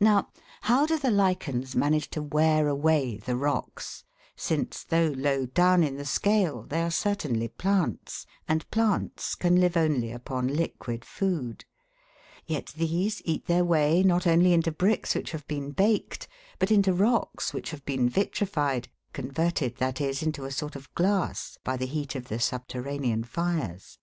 Now, how do the lichens manage to wear away the rocks, since, though low down in the scale, they are certainly plants, and plants can live only upon liquid food ; yet these eat their way not only into bricks which have been baked, but into rocks which have been vitrified, converted, that is, into a sort of glass by the heat of the subterranean fires